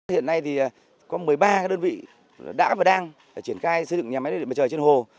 hiện nay thì có một mươi ba đơn vị đã và đang triển khai xây dựng nhà máy điện mặt trời trên hồ